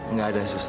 nggak ada sus